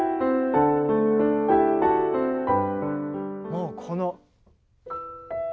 もうこの。